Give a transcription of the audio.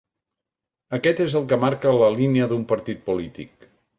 Aquest és el que marca la línia d'un partit polític.